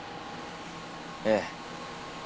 ええ。